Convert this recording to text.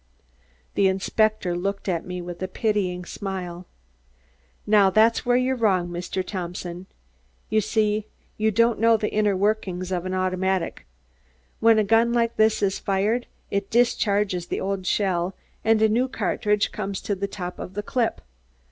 The inspector looked at me with a pitying smile. "Now, that's where you're wrong, Mr. Thompson. You see, you don't know the inner workings of an automatic. When a gun like this is fired, it discharges the old shell and a new cartridge comes to the top of the clip.